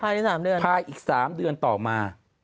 พายที่๓เดือนพายอีก๓เดือนต่อมา